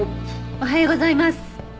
おはようございます。